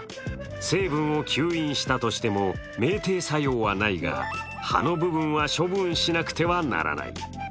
成分を吸引したとしてもめいてい作用はないが葉の部分は処分しなくてはならない。